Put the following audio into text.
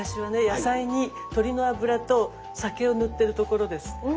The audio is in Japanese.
野菜に鶏の油と酒を塗ってるところです。